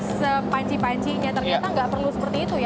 sampai sepanci pancinya ternyata gak perlu seperti itu ya